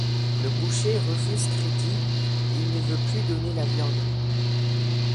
Le boucher refuse crédit, il ne veut plus donner de viande.